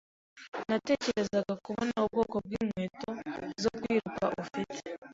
Natekerezaga kubona ubwoko bwinkweto zo kwiruka ufite.